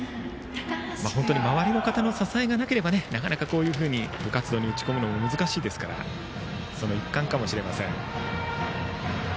本当に周りの方の支えがなければこういうふうに部活動に打ち込むのも難しいですからその一環かもしれません。